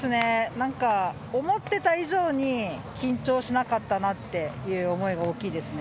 なんか、思っていた以上に緊張しなかったなっていう思いが大きいですね。